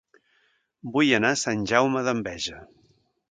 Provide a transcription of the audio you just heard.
Vull anar a Sant Jaume d'Enveja